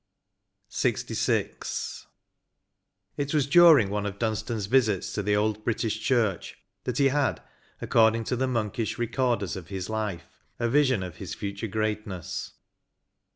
K 2 13a LXVI. It was during one of Dunstan's visits to the old British church that he had^ according to the monkish recorders of his life, a vision of his future greatness.